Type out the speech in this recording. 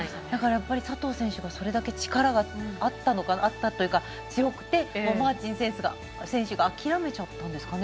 佐藤選手がそれだけ力があったというか強くて、マーティン選手が諦めちゃったんですかね。